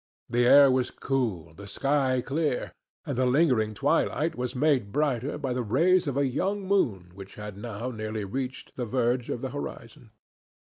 The air was cool, the sky clear, and the lingering twilight was made brighter by the rays of a young moon which had now nearly reached the verge of the horizon.